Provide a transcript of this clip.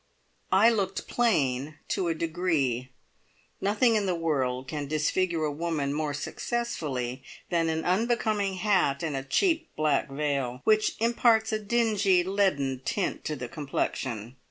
I looked plain to a degree. Nothing in the world can disfigure a woman more successfully than an unbecoming hat and a cheap black veil, which imparts a dingy, leaden tint to the complexion.